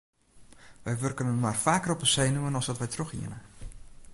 Wy wurken inoar faker op 'e senuwen as dat wy trochhiene.